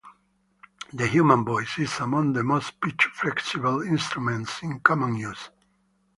The human voice is among the most pitch-flexible instruments in common use.